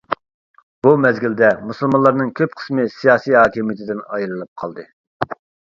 بۇ مەزگىلدە مۇسۇلمانلارنىڭ كۆپ قىسمى سىياسىي ھاكىمىيىتىدىن ئايرىلىپ قالدى.